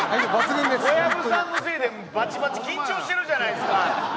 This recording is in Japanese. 小籔さんのせいでバチバチ緊張してるじゃないですか！